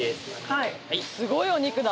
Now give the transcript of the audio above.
はいすごいお肉だ